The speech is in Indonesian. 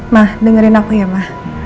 ma dengerin aku ya ma